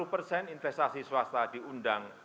lima puluh persen investasi swasta diundang